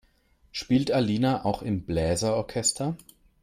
Spielt Alina auch im Bläser-Orchester?